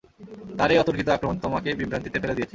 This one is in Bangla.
তার এই অতর্কিত আক্রমণ তোমাকে বিভ্রান্তিতে ফেলে দিয়েছে।